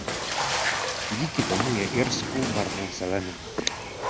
Díky tomu je irskou barvou zelená.